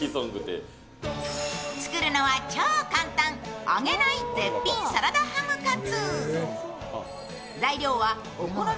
作るのは超簡単揚げない絶品サラダハムカツ。